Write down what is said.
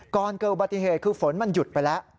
ก่อนเกิดอุบัติเหตุคือฝนมันหยุดไปแล้ว